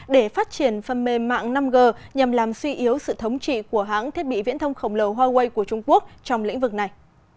để phát triển phần mềm mạng năm g nhằm làm suy yếu sự thống trị của hãng thiết bị viễn thông khổng lồ huawei của trung quốc trong lĩnh vực này